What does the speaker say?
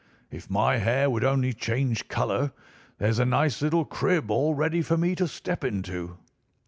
If my hair would only change colour, here's a nice little crib all ready for me to step into.